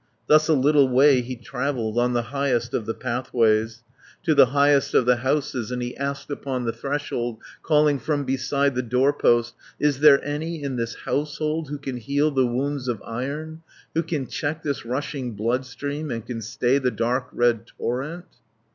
Thus a little way he travelled, On the highest of the pathways, To the highest of the houses, And he asked upon the threshold, Calling from beside the doorpost, "Is there any in this household, Who can heal the wounds of iron, Who can check this rushing bloodstream, And can stay the dark red torrent?"